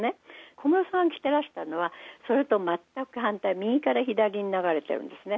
小室さんが着てらしたのは、それと全く反対、右から左に流れているんですね。